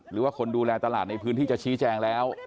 หรือว่าคนดูแลตลาดในพื้นที่จะชี้แจงแล้ว